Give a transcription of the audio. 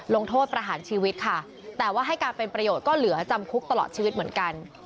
ลงโทษประหารชีวิตค่ะแต่ว่าให้การเป็นประโยชน์ก็เหลือจำคุกตลอดชีวิตเหมือนกัน